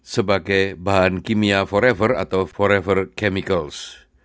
sebagai bahan kimia forever atau forever chemical